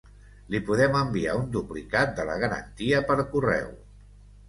Li podem enviar un duplicat de la garantia per correu.